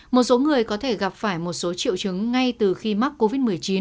một số người có thể gặp phải một số triệu chứng ngay từ khi mắc covid một mươi chín